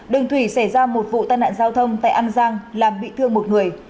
đường thủy xảy ra một vụ tai nạn giao thông tại an giang làm bị thương một người